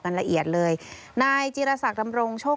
ส่วนรถที่นายสอนชัยขับอยู่ระหว่างการรอให้ตำรวจสอบ